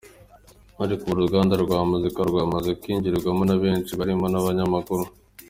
Ariko ubu, uru ruganda rwamuzika rwamaze kwinjirwamo na benshi barimo n’abanyamakuru.